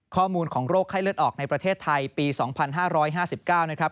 ข้อมูลของโรคไข้เลือดออกในประเทศไทยปี๒๕๕๙นะครับ